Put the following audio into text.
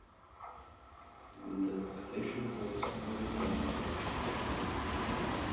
The taxation rules are determined by each country.